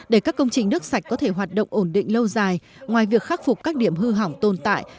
để các công trình nước sạch có thể hoạt động ổn định lâu dài ngoài việc khắc phục các điểm hư hỏng tồn tại